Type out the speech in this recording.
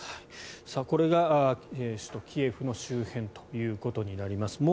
これが首都キエフの周辺ということになります。